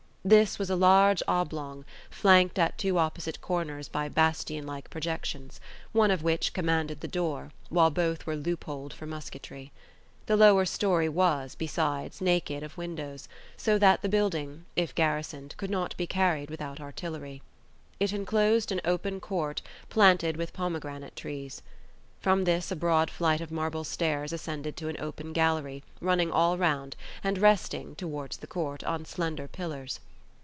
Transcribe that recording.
This was a large oblong, flanked at two opposite corners by bastion like projections, one of which commanded the door, while both were loopholed for musketry. The lower storey was, besides, naked of windows, so that the building, if garrisoned, could not be carried without artillery. It enclosed an open court planted with pomegranate trees. From this a broad flight of marble stairs ascended to an open gallery, running all round and resting, towards the court, on slender pillars.